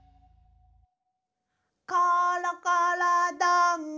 「ころころどんぐり」